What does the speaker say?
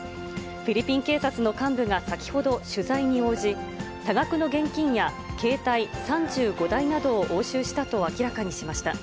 フィリピン警察の幹部が先ほど取材に応じ、多額の現金や携帯３５台などを押収したと明らかにしました。